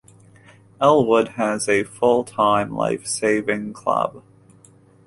Elwood has a full-time lifesaving club.